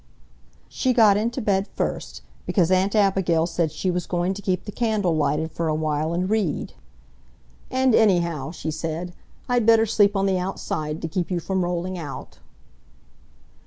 She got into bed first, because Aunt Abigail said she was going to keep the candle lighted for a while and read. "And anyhow," she said, "I'd better sleep on the outside to keep you from rolling out."